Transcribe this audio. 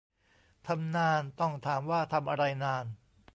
ทำนาน ต้องถามว่าทำอะไรนาน